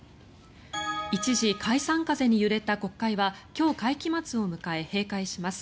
一時、解散風に揺れた国会は今日、会期末を迎え閉会します。